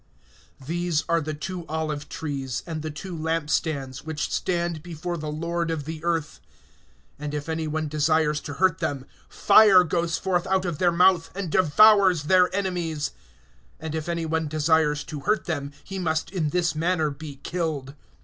(4)These are the two olive trees, and the two lamp stands, which stand before the Lord of the earth. (5)And if any one desires to hurt them, fire goes forth out of their mouth, and devours their enemies; and if any one desires to hurt them, he must in this manner be killed.